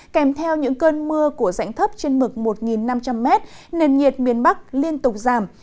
kèm theo những cơn mưa của rãnh thấp trên mực một năm trăm linh m nền nhiệt miền bắc liên tục giảm